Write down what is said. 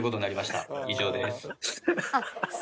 以上です。